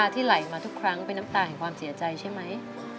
ที่ไหลมาทุกครั้งเป็นน้ำตาแห่งความเสียใจใช่ไหม